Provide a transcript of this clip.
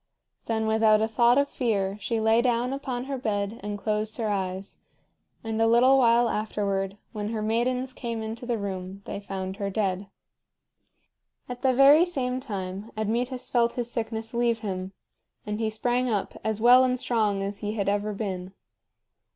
Then without a thought of fear she lay down upon her bed and closed her eyes; and a little while afterward, when her maidens came into the room they found her dead. At the very same time Admetus felt his sickness leave him, and he sprang up as well and strong as he had ever been.